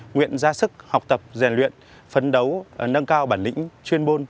nguyện ra sức học tập rèn luyện phấn đấu nâng cao bản lĩnh chuyên môn